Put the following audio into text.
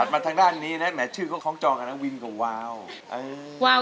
ถัดมาทางด้านนี้นี่แหมอาทิตย์ชื่อใครของจองานะวิ้นกับว้าว